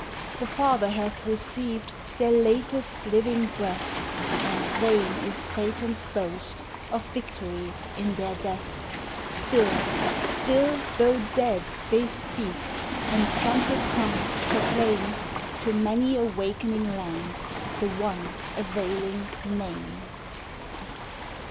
The Father hath received Their latest living breath ; And vain is Satan's boast Of victory in their death ; Still, still, though dead, they speak, And, trumpet tongued, proclaim To many a wakening land The one availing name.